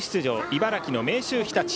茨城の明秀日立。